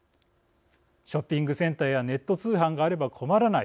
「ショッピングセンターやネット通販があれば困らない」。